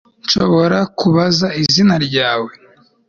Nshobora kubaza izina ryawe